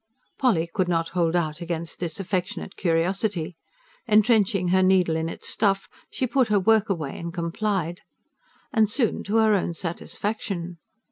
Polly could not hold out against this affectionate curiosity. Entrenching her needle in its stuff, she put her work away and complied. And soon to her own satisfaction.